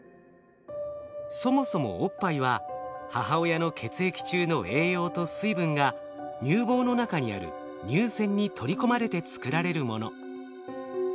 そもそもおっぱいは母親の血液中の栄養と水分が乳房の中にある乳腺に取り込まれて作られるもの。